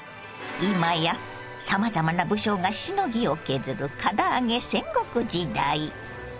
今やさまざまな武将がしのぎを削るから揚げ戦国時代。